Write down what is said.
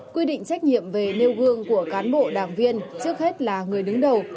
quy định trách nhiệm về nêu gương của cán bộ đảng viên trước hết là người đứng đầu